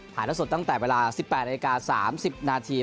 ละสดตั้งแต่เวลา๑๘นาที๓๐นาที